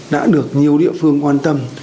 đã được nhiều địa phương quan tâm